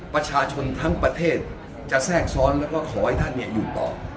ประชาชนทั้งประเทศจะแทรกซ้อนแล้วก็ขอให้ท่านอยู่ต่อ